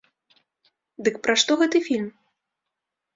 Дык пра што гэты фільм?